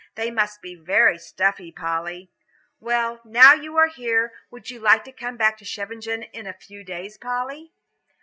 "They must be very stuffy, Polly. Well, now you are here, would you like to come back to Scheveningen for a few days, Polly?"